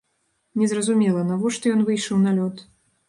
Незразумела, навошта ён выйшаў на лёд.